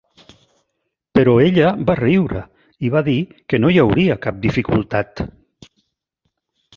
Però ella va riure i va dir que no hi hauria cap dificultat.